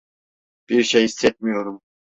Bir şey hissetmiyorum.